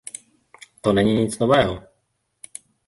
To není nic nového.